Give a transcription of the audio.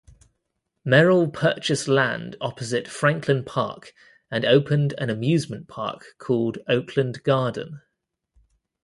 Merrill purchased land opposite Franklin Park and opened an amusement park called Oakland Garden.